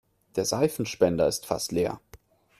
Der Seifenspender ist fast leer.